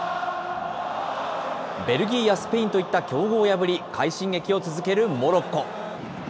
ベルギーやスペインといった強豪を破り、快進撃を続けるモロッコ。